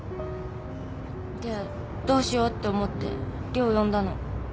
でどうしようって思って涼呼んだの。